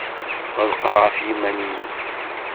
Ɣelqeɣ ɣef yiman-inu.